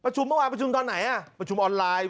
ประชุมเมื่อวานประชุมตอนไหนประชุมออนไลน์